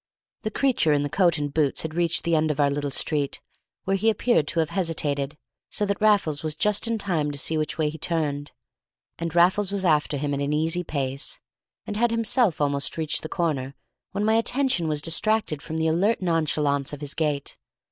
The creature in the coat and boots had reached the end of our little street, where he appeared to have hesitated, so that Raffles was just in time to see which way he turned. And Raffles was after him at an easy pace, and had himself almost reached the corner when my attention was distracted from the alert nonchalance of his gait.